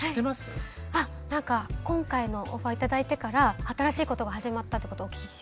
今回のオファー頂いてから新しいことが始まったってことお聞きしました。